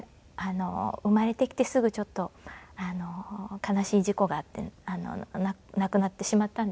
生まれてきてすぐちょっと悲しい事故があって亡くなってしまったんですけれども。